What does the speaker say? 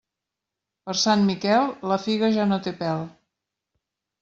Per Sant Miquel, la figa ja no té pèl.